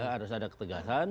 harus ada ketegasan